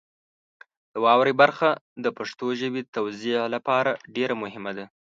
د واورئ برخه د پښتو ژبې د توزیع لپاره ډېره مهمه ده.